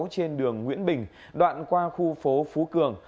trên đường nguyễn bình đoạn qua khu phố phú cường